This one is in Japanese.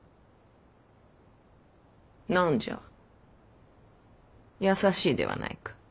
何じゃ優しいではないか。